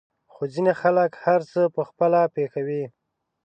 خو ځينې خلک هر څه په خپله پېښوي.